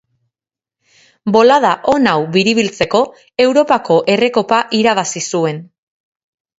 Bolada on hau biribiltzeko Europako Errekopa irabazi zuen.